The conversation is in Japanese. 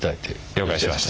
了解しました。